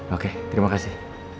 oke terima kasih